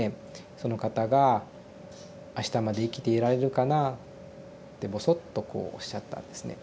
その方が「あしたまで生きていられるかな」ってぼそっとこうおっしゃったんですね。